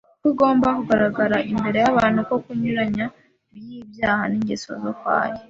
kugomba kugaragara imbere y’abantu ko kunyuranye by’ihabya n’ingeso zo kwaya,